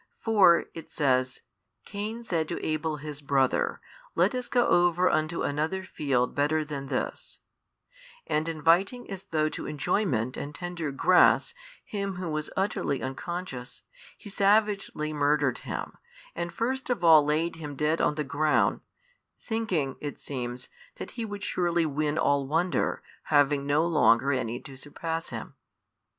For, it says, Cain said to Abel his brother, Let us go over unto another field better than this, and inviting as though to enjoyment and tender grass him who was utterly unconscious, he savagely murdered him, and first of all laid him dead on the ground, thinking (it seems) that he would surely win all wonder, having no longer any to surpass him.